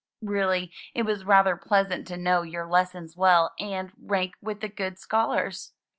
Really, it was rather pleasant to know your lessons well and rank with the good scholars.